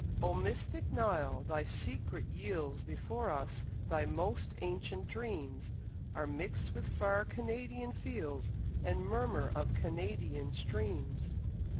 O mystic Nile! Thy secret yields Before us; thy most ancient dreams Are mixed with far Canadian fields And murmur of Canadian streams.